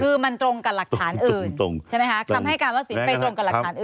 คือมันตรงกับหลักฐานอื่นใช่ไหมคะคำให้การว่าสินไปตรงกับหลักฐานอื่น